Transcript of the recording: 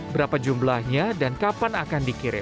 berapa jumlahnya dan kapan akan dikirim